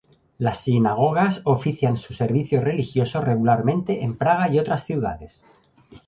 Las sinagogas ofician su servicio religioso regularmente en Praga y otras ciudades.